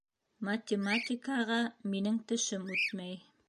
Математикаға минең тешем үтмәй